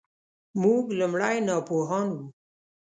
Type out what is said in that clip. موږ لومړی ناپوهان وو .